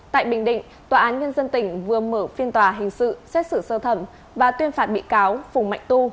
tại bình định tòa án nhân dân tỉnh vừa mở phiên tòa hình sự xét xử sơ thẩm và tuyên phạt bị cáo phùng mạnh tu